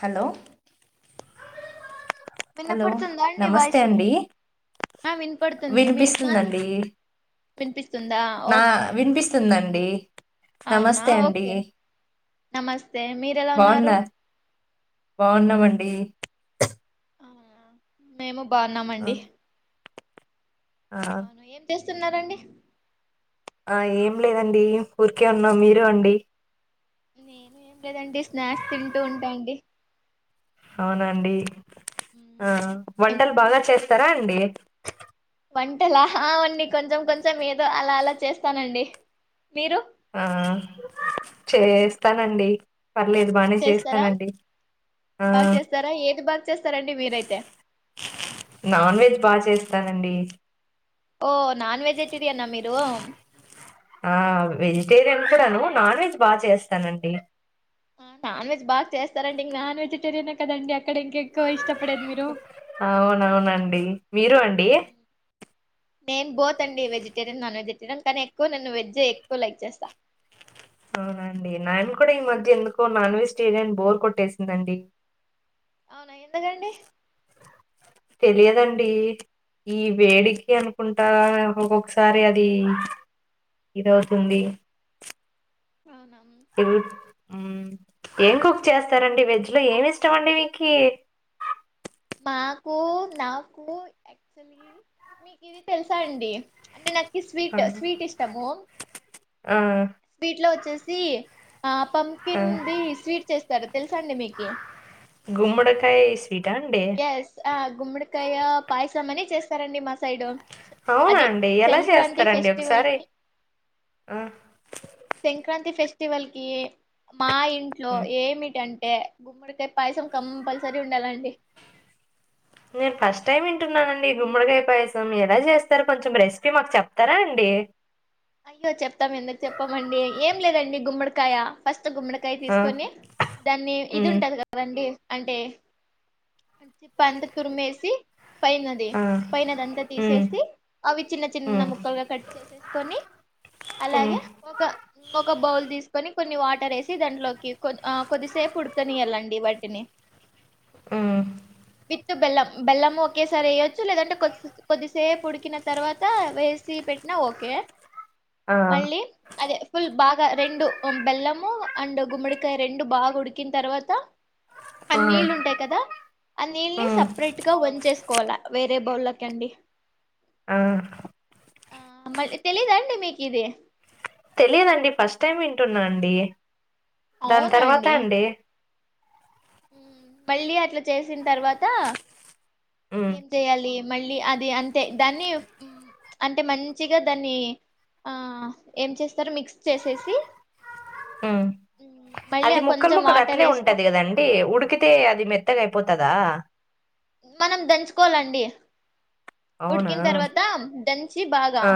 Hello hello వినపడుతుందా అండి నమస్తే వాయిస్ అండి ఆ వినపడుతుంది మీ నాది వినిపిస్తుందండి వినిపిస్తుందా నా ఓకే వినిపిస్తుందండి అవునా నమస్తే అండి ఓకే నమస్తే మీరెలా ఉన్నారు బాగున్నా బాగున్నామండి మేము ఆ బాగున్నామండి ఆ అవును ఏం చెస్ తున్నారండి ఆ ఏం లేదండి ఊరికే ఉన్నాం మీరు అండి నేను ఏం లేదంటే స్నాక్స్ తింటూ ఉంటా అండి అవునండి ఆ మ్మ్. ఏం వంటలు బాగా చేస్ తరా అండి వంటలా అవన్నీ కొంచెం కొంచెం ఏదో అలా అలా చేస్తానండి మీరు ఆ చేస్తానండి పర్లేదు బానే చేస్తారా చేస్తానండి ఆ బాగా చేస్తారా ఏది బాగా చేస్తారండి మీరైతే నాన్ వెజ్ బా చేస్ తానండి ఓ నాన్ వెజిటేరియన్ మీరు ఆ వెజిటేరియన్ కూడాను నాన్ వెజ్ బా చేస్తానండి నాన్ వెజ్ బాగా చేస్తారండి నాన్ వెజిటేరియనే కదండి అ అవునవునండి మీరు అండి నేను బోత్ అండి వెజిటేరియన్ నాన్ వెజిటేరియన్ కానీ ఎక్కువ నన్ను వెజ్జే ఎక్కువ లైక్ చేస్తా అవునా అండి నాను కూడా ఈ మధ్య ఎందుకో నాన్ వెజిటేరియన్ బోర్ కొట్టేసిందండి అవునా ఎందుగండి తెలియదండి ఈ వేడికి అనుకుంటా ఒక్కొక్కసారి అది ఇదవుతుంది. అవునా ఇది హ్మ్ ఏం కుక్ చేస్తారండి వెజ్ లో ఏమి ఇష్టమండి మీకి మాకు నాకు యాక్చువలీ మీకు ఇది తెలుసా అండి అంటే నా ఆ! స్వీట్ స్వీట్ ఇష్టము ఆ! స్వీట్లో వచ్చేసి ఆ ఆ! పంప్కిన్ది స్వీట్స్ చేస్తారా తెలుసా అండి మీకి గుమ్మడికాయ స్వీటా అండి? ఎస్ ఆ గుమ్మడికాయ పాయస్ ఇష్టమని చేస్తారండి మా సైడు అవునా అది అండి? ఎలా సెంక్రాంతి చేస్తారండి ఫెస్టివల్ ఒకసారి? కి ఆ! సెంక్రాంతి ఫెస్టివ సి వల్కి మా ఇంట్లో హ్మ్. ఏమిటం టే గుమ్మడికాయ పాయసం కంపల్సరీ ఉండాలండి నేను ఫస్ట్ టైమ్ వింటున్నానండి గుమ్మడికాయ పాయసం ఎలా చేస్తారు కొంచెం రెసిపీ మాకు చెప్తారా అండి అయ్యో చెప్తాం ఎందుకు చెప్పమండి ఏం లేదండి గుమ్మడికాయ ఫస్ త్త గుమ్మడికాయ ఆ! తీసుకొని దాన్ని ఇది హ్మ్. ఉంటది కదండి అంటే చిప్ప అంతా తురిమేసి పైనది ఆ పైనది అంతా ఉమ్ తీసేసి అవి చిన్న చిన్న ఉమ్ ముక్కలుగా కట్ చేసేసి కొని ఉమ్ అలాగే ఒక ఇంగొక బౌల్ తీసుకొని కొన్ని వాటర్ ఏసి దాంట్లోకి కొద్ కొద్దిసేపు ఉడకనియ్యల్లండి వాటిని ఉమ్ విత్ బెల్లం బెల్లం ఒకేసారి వేయచ్చు లేదంటే కొద్ది కొద్దిసేపు ఉడికిన తర్వాత వేసి పెట్నా ఓకే ఆ మళ్ళీ అదే ఫుల్ బాగా రెండు బెల్లము అండ్ గుమ్మడికాయ రెండు బాగా ఉడికిన తర్వాత ఆ ఉమ్ నీళ్ళు ఉంటాయి కదా ఆ నీళ్ళని ఉమ్ సపరేట్ గ వంచేసుకోవాలా వేరే బౌలోకి అండి ఆ ఆ మళ్ తెలీదా అండి మీకి ఇది తెలీదండి ఫస్ట్ టైమ్ వింటున్నా అండి దాన్ తర్వాత అండి మ్ మళ్ళీ అట్లా చేసిన్ తర్వాత ఉమ్ ఏం చేయాలి మళ్ళీ అది అంతే దాన్ని మ్ అంటే మంచిగా దాన్ని ఆ ఏం చేస్తారు మిక్స్ చేసేసి ఉమ్ మళ్ళీ అది ముక్కలు కొంచెం ముక్కలు వాటర్ అట్లే వేసుకో ఉంటది కదండి ఉడ్ కితే అది మెత్తగా అయ్యిపోతదా మనం దంచుకోలండి. అవునా ఉడికిన తర్వాత దంచి బాగా ఆ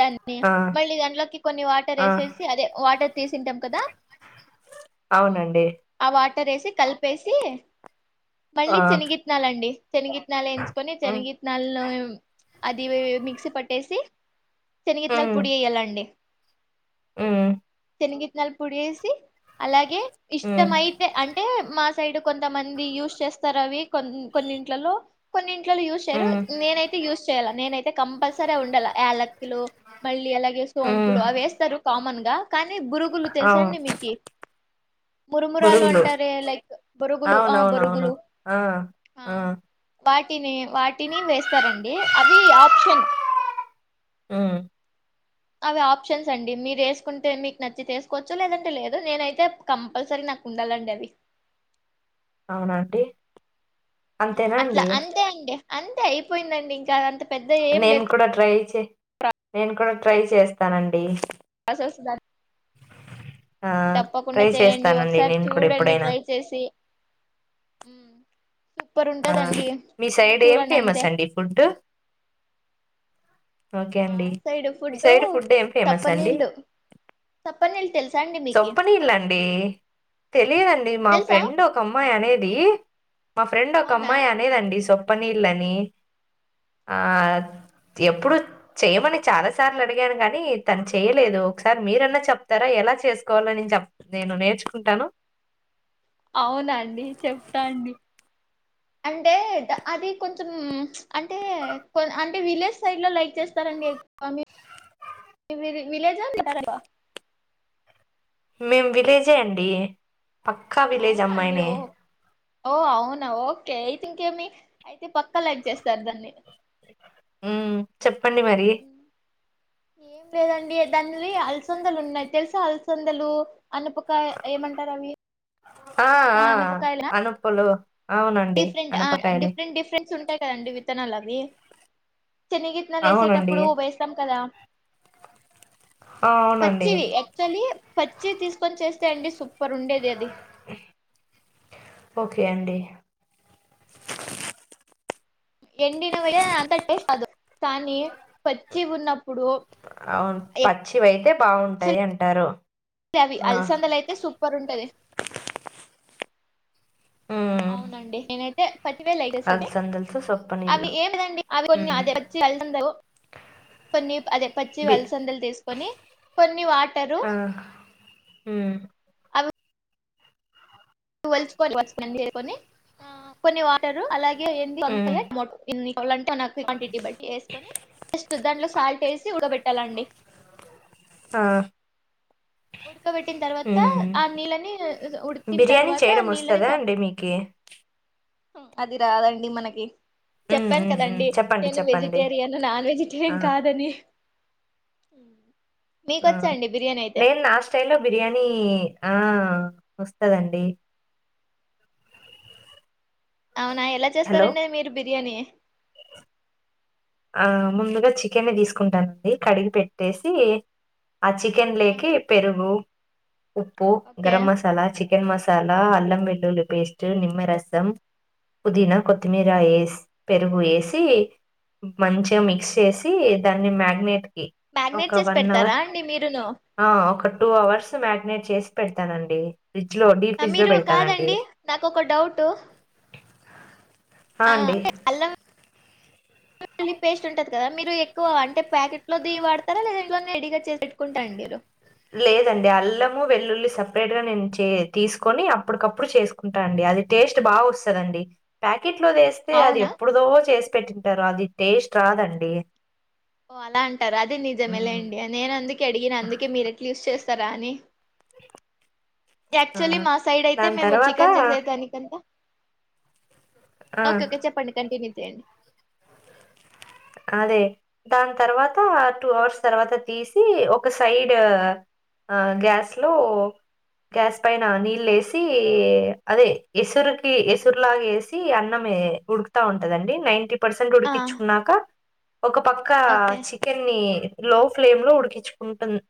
దాన్ని ఆ మళ్ళీ దాంట్లోకి కొన్ని వాటర్ ఆ వేసేసి అదే వాటర్ తీసింటాం కదా అవునండి. రేసి కలిపేసి ఆ మళ్ళీ శనిగిత్తనాలండి. శనిగిత్నాలు వేంచుకొని ఉమ్ శనిగిత్ మల్లో అది ఈ మిక్సీ పట్టేసి శనిగిత్తనాలు పొడి వెయ్యాలండి. హు శనిగిత్తనాలు పోడేసి అలాగే ఇష్టము ఉమ్ అయితే అంటే మా సైడ్ కొంతమంది యూస్ చేస్తారు అవి కొ-కొన్నిట్లలో కొన్ని ట్లోలు యూస్ చెయ్యరు ఉమ్ నేనైతే యూజ్ చెయ్యలా నేనై తే కంపల్సరి అవి ఉండాల యాలక్కులు మల్ ళ్ళీ అలాగే ఉమ్ సోంపులు అవెస్తారు కామన్ గా కానీ బురుగులు అవును తెలుసండి మీకి మురుమురాలు బురుగులు అంటారే లైక్ బరుగులు ఆ అవునవునవును బరుగులు ఆ ఆ వాటి వాటిని టిని వేస్తారండి అవి ఆప్షన్ మ్ అవి ఆప్షన్స్ అండి మీరు వేసుకుంటే మీకు నచ్చి తీసుకోవచ్చు లేదంటే లేదు నేనైతే కంపల్సరీ నాకు ఉండాలండి అవి అవునాంటి అట్లా అంతే అండి అంతే అయిపోయిందండి ఇంకా అంత పెద్ద ఏం నేను లేదు కూడా ట్రై చే నేను కూడా ట్రై చేస్తానండి. బస్ వస్తుందా ఆ! తప్పకుండా ట్రై చేయండి చేస్తానండి ఒకసారి నేను కూడా చూడండి ఎప్పుడైనా. ట్రై చేసి సూపర్ ఆ ఉంటదండి మీ తిని సైడ్ ఏం చూడండి అంతే ఫేమస్ అండి ఫుడ్డు ఓకే మా అండి సైడ్ మీ సైడ్ ఫుడ్ ఏం ఫేమస్ అండి సప్పనీళ్ళు సప్పనీళ్ళు తెలుసా అండి మీకి సొప్పనీళ్ళ అండి తెలియదండి మా తెలుసా ఫ్రెండ్ ఒక అమ్మాయి అనేది మా ఫ్రెండ్ అవునా కమ్మాయ్ అనేదండి సొ ప్ప నీళ్లని ఆ ఎప్పుడు చేయమని చాలాసార్లు అడిగాను కానీ తను చేయలేదు ఒకసారి మీరన్నా చెప్తారా ఎలా చేసుకోవాల నే చె నేను నేర్చుకుంటాను అవునా అండి చెప్తా అండి అంటే ద అది కొంచెం అంటే అంటే విలేజ్ సైడ్ లో లైక్ చేస్తారండి ఎ వ మీది విలేజా [inaudible] మేం విలేజే అండి పక్కా విలేజ్ అవునా అండి అమ్మాయినే ఓ ఓ అవునా ఓకే ఐ థింక్ ఏమి అయితే పక్కా లైక్ చేస్తారు దాన్ని హ్మ్ చొప్ ప్పండి మరి ఏం లేదండి దాన్వి అలసందలు ఉన్నాయి తెలుసా అలసందలు అనపక ఏమంటారు అవి అ ఆ అనుప్పులు ఆ అవునండి. డిఫరెంట్ అనపకాయలే. డిఫరెంట్ డిఫరెన్స్ ఉంటాయి కదండి విత్తనాలు అవి చనిగిత్నాలె అవునండి. వేసేటప్పుడు వేస్తాం కదా ఆ! అవునండి. పచ్చివి యాక్చువలీ పచ్చివి తీసుకొని చేస్తే అండి సు పరు ఉండేది అది ఓకే అండి ఎండిన వె అంత టేస్ట్ దు కానీ పచ్చిగ ఉన్న అవును పచ్చివయితే బాగుంటాయ్ యాక్చువల్లీ అంటారు ఆ పరు ఉంటది హ్మ్. అవునండి నేనై తె పచ్చివేలే ఎగేసేది అలసందలతో అవి సొప్పనీళ్ళు. ఏమిదండి అవి కొ అే హ్మ్. పచ్చి వలసంద కొన్ని అదే పచ్చి బి అలసందలు తీసుకొని కొన్ని వాటరు ఆ! హ్మ్ ను వలచుకొని [unintelligible] కొన్ని వాటరు అలా గే ఏంది హ్మ్. వంకలే మో ఇన్ని ఓల్లంటే నా క్వాంటిటీ బట్టి ఏసుకొని జస్ట్ దాంట్లో సాల్ట్ వేసి ఉడకబెట్ తలండి ఆ ఉడు క బెట్టిన తర్వాత హ్మ్. ఆ నీళ్ళని ఉడికిన బిర్యానీ తర్వాత ఆ చేయడం నీళ్ళని వస్తదా చ అండి మీకి? అది రాదండి మనకి హ్మ్. చెప్పాన్ హ్మ్. హ్మ్. కదండి చెప్పండి. నేను చెప్పండి. వెజిటేరియన్ నాన్ ఆ! వెజిటేరియన్ కాదని మ్ మీకొచ్చా అండి బిర్యానీ అయితే స్టైల్లో బిర్యానీ ఆ వస్తదండి అవునా ఎలా హలో! చేస్తారండి మీరు బిర్యానీ ఆ ముందుగా చికెన్ న్ని తీసుకుంటానండి కడిగి పెట్టేసి ఆ చికెన్ ల కి పెరుగు ఉప్పు ఓకే గరం మసాలా చికెన్ మసాలా అల్లం వె ల్లులి పేస్టు నిమ్మరసం పుదీనా కొత్తిమీర ఏసి పెరుగు ఏసి మంచిగా మిక్స్ చేసి దాన్ని మ్యార్నేట్ మ్యాగ్నేట్ ఒక చేసి వన్ పెడతారా అవర్ అండి మీరును ఆ ఒక టూ అవర్స్ మ్యార్నేట్ చేస్ పెడతానండి ఫ్రిడ్జ్‌లో డీప్ ఫ్రిడ్జ్‌లో మీరు పెడతానండి. కాదండి నాకు ఒక డౌటూ ఆ! అండి. అంటే అల్లం వెల్లుల్లి పేస్ట్ ఉంటది కదా మీరు ఎక్కువ అంటే ప్యాకెట్ లోది వాడతారా లేదా ఇంట్లోనే రెడీగా చేసి పెట్టుకుంటారండి మీరు లేదండి అల్లము వెల్లుల్లి సపెరేట్ గా నేను చే తీసుకొని అప్పటికప్పుడు చేసుకుంటా అండి అది టేస్ట్ బాగా వస్తదండి ప్యాక్ కిట్లోదేస్తే అది అవునా ఎప్పుడుదో చేసి పెట్టింటారు అది టేస్ట్ రాదండి ఓ అలా అంటారా అది హ్మ్. నిజమేలేండి నేనందు డిగినా అందుకే మీరెట్లా యూస్ చేస్తే స్తారాని ఆ! యాక్చువల్లీ మా సైడ్ అయితే దాని మేము తర్వాత చికెన్ చేసే దానికంత ఓకే ఆ! ఓకే చెప్పండి కంటిన్యూ తె అండి అదే దాని తర్వాత టూ అవర్స్ తర్వాత తీసి ఒక సైడ్ గ్యాస్ లో గ్యాస్ పైన నీళ్ళేసి అదే ఎసురుకి ఎసురులాగేసి అన్నమే ఉడుకుతా ఉంటదండి నైన్టీ పర్సెంట్ ఆ ఉడికించుకున్నాక ఒక పక్క ఓకే చికెన్ని లో ఫ్లేమ్ లో ఉడికించుకుంటుంది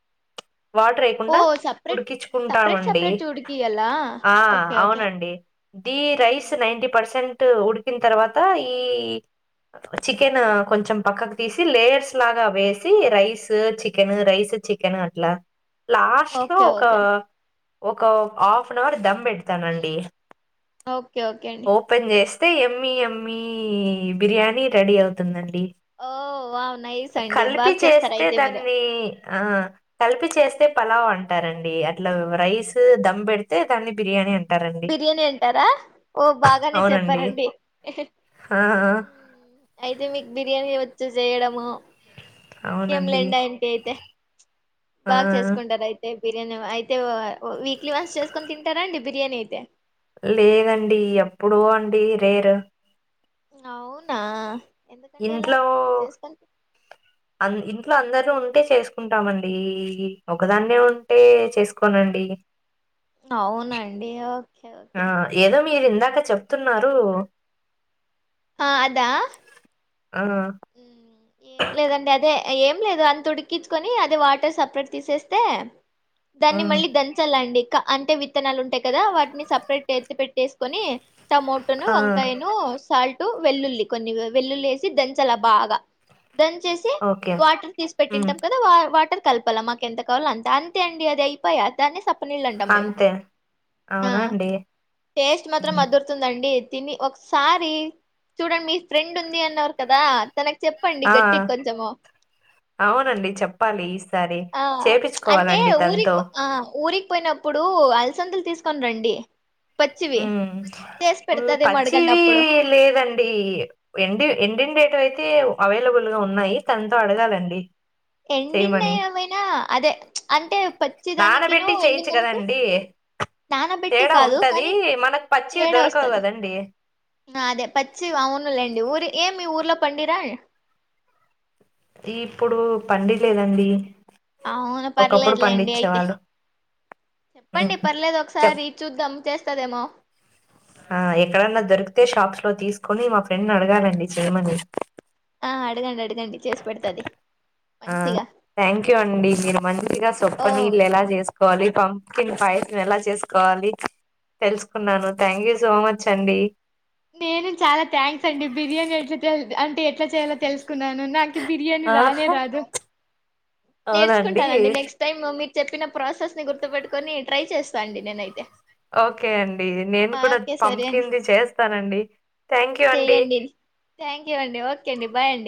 వాటర్ ఓ వేయకుండా సపరేట్ సపరేట్ ఉడికించుకుంటామండి సపరేట్ ఉడికియ్యాలా ఆ ఓకే ఓకే అవునండి ది రైస్ నైంటి పర్సెంట్ ఉడికిన తర్వాత ఈ చికెన్ కొంచెం పక్కకు తీసి లేయర్స్ లాగా వేసి రైస్ చికెన్ రైస్ చికెన్ అట్లా లాస్ట్ లో ఓకే ఒక ఓకే ఒక ఆఫ్ ఆన్ అవర్ దమ్ పెడతానండి ఓకే ఓకే అండి ఓపెన్ చేసి అయితే ఎమ్మి ఎమ్మి బిర్యానీ రెడీ అవుతుందండి ఓ వావ్ నైస్ అండి కలిపి బాగా చేస్తారు చేస్తే అయితే మీరు దాన్ని ఆ కలిపి చేస్తే పలావ అంటారండి అట్లా రైస్ దమ్ పెడితే దాన్ని బిర్యానీ అంట బిర్యానీ అంటారా ఓ బాగానే అవునండి చెప్పారంండి ఆ అయితే మీకు బిర్యానీ వచ్చు చేయడము ఇంకేం అవునండి లేండి అంత అయితే ఆ బాగా చేసుకుంటారు అయితే బిర్యానీ అయితే వీక్లీ వన్స్ చేసుకొని తింటారా అండి బిర్యానీ అయితే లేదండి ఎప్పుడు అండి రేరు అవునా ఎందుకండి అలా ఇంట్లో చేసుకొని ఇంట్లో అందరి ద ఉంటే చేసుకుంటామండి ఒకదాన్నే ఉంటే చేసుకోనండి అవునండి ఆ ఏదో మీరు ఇందాక చెప్తున్నారు ఆ అదా ఆ! మ్ ఏం లేదండి అదే ఏం లేదు అంత త ఉడికించుకొని అదే వాటర్ సపరేట్ తీసేస్తే దాన్ని హ్మ్. మళ్ళీ దంచాలండి అంటే విత్తనాలు ఉంటాయి కదా వాటిని సపరేట్ ఎత్తి పెట్టేసుకొని టమోటోను ఆ! వంకాయను సాల్ట్ వెల్లుల్లి కొన్ని వెల్లుల్లి వేసి ద చాలా బాగా దన్ చేసి ఓకే. వాటర్ తీసి హ్మ్. పెట్టింటాం కదా వా వాటర్ కల్పలా మాక ఎంత కావాల అంత అంతే అండి అది అయిపయా దాన్ని సప్పనీళ్ళు అంటాం మేము అంతే. అవునా అండి? టేస్ట్ మాత్రం హ్మ్. అదురుతుందండి తిని ఒకసారి చూడండి మీ ఫ్రెండ్ ఉంది అన్న కదా తనకు చెప్పండి ఆ గట్టిగా కొంచెము అవునండి చెప్పాలి ఈసారి ఆ అంటే చేపిచుకోవాలండి ఊరికి తనతో పో- ఆ ఊరికి పోయినప్పుడు అలసందులు తీసుకొని రండి పచ్చివి మ్ చేసి పెడతదేమో అడగండి పచ్చివి అప్పుడు లేదండి ఎండి ఎండిండే అయితే అవైలబుల్ గా ఉన్నాయి తనతో అడగాలండి చేయమని. ఎండిన్నయి ఏవైనా అదే అంటే పచ్చిదానికిను నానబెట్టి ఎండిన చేయొచ్చు దానికి కదండీ! నానబెట్టి తేడా కాదు ఉంటది కానీ మనకు పచ్చివి తేడా దొరకవు వస్తది కదండి అదే పచ్చి అవును లేండి ఊరి ఏ మీ ఊర్లో పండీరా ఈప్పుడు పండిలేదండి అవును ఒకప్పుడు పర్లేదులేండి అయితే పండించేవాళ్ళు ఉమ్, చెప్పండి పర్లేదు చెప్ ఒకసారి చూద్దాం చేస్ స్తదేమో ఆ ఎక్కడన్నా దొరికితే షాప్స్ లో తీసుకొని మా ఫ్రెండ్ ని అడిగాలండి చేయమని ఆ అడగండి అడగండి చేసి పెడుతది ఆ థ్యాంక్ యూ అండి మీరు మంచిగా సొప్ప ఓ నీళ్ళు ఎలా జేసు కోవాలి పంప్కిన్ పాయసం ఎలా చేసుకోవాలి తెలుసుకున్నాను థ్యాంక్ యూ సో మచ్ అండి నేను చాలా థ్యాంక్స్ అండి బిర్యానీ ఎట్లా తె అంటే ఎట్లా చేయాలో తెలుసుకున్నాను నా బిర్యానీ రానే ఆహా రాదు అవునండి నేర్సుకుంటానండి నెక్స్ట్ టైమ్ మీ చెప్పిన ప్రాసెస్ ని గుర్తుపెట్టుకొని ట్రై చేస్తా అండి నేనైతే ఓకే అండి నేను కూడా ఓకే సరే అండి పంప్కిన్ది చేస్తానండి థ్యాంక్ యూ అండి చెయ్యండి థ్యాంక్ యూ అండి ఓకే అండి బాయ్ అండి